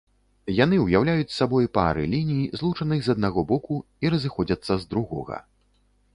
Яны ўяўляюць сабой пары ліній, злучаных з аднаго боку і разыходзяцца з другога.